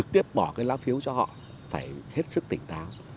tiếp bỏ cái lá phiếu cho họ phải hết sức tỉnh táo